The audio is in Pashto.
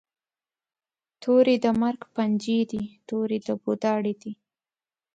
توری د مرګ پنجی دي، توری د بو داړي دي